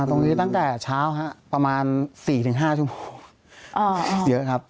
ตั้งแต่เช้าฮะประมาณ๔๕ชั่วโมงเยอะครับ